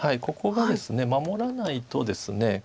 ここがですね守らないとですね